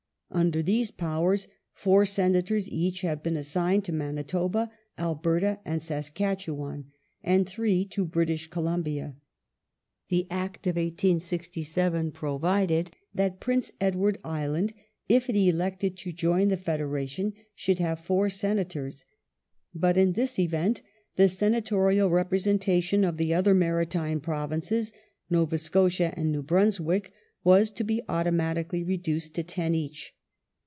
Under these powei s four Senators each have been assigned to Manitoba, Alberta, and Saskatchewan, and three to British Columbia. The Act of 1867 provided (§ 147) that Prince Edward Island, if it elected to join the Federation, should have four Senators, but in this event the senatorial representation of the other Maritime Provinces, Nova Scotia and New Brunswick, was to be automatically reduced to ten each.